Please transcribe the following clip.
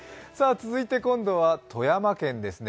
続いて今度は富山県ですね。